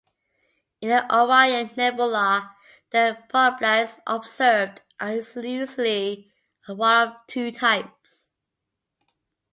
In the Orion Nebula the proplyds observed are usually one of two types.